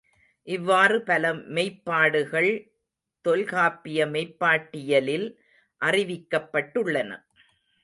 இவ்வாறு பல மெய்ப்பாடுகள் தொல்காப்பிய மெய்ப்பாட்டியலில் அறிவிக்கப்பட்டுள்ளன.